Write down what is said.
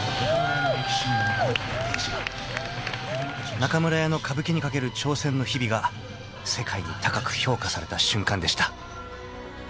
［中村屋の歌舞伎に懸ける挑戦の日々が世界に高く評価された瞬間でした］